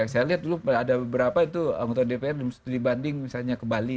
saya lihat dulu ada beberapa itu anggota dpr yang studi banding misalnya ke bali